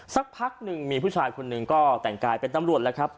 สักพักหนึ่งมีผู้ชายคนหนึ่งก็แต่งกายเป็นตำรวจแล้วครับ